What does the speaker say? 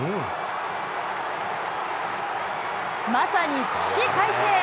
まさに起死回生。